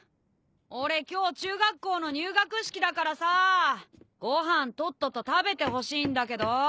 俺今日中学校の入学式だからさご飯とっとと食べてほしいんだけど